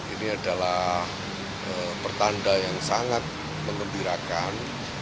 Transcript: ini adalah pertanda yang sangat mengembirakan